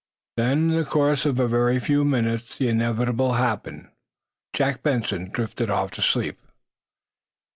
Then, in the course of a very few minutes, the inevitable happened. Jack Benson drifted off into sleep.